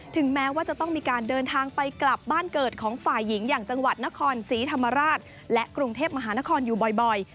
แม้ว่าจะต้องมีการเดินทางไปกลับบ้านเกิดของฝ่ายหญิงอย่างจังหวัดนครศรีธรรมราชและกรุงเทพมหานครอยู่บ่อย